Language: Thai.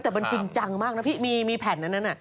แต่มันจริงจังมากนะพี่มีแผ่นนั้น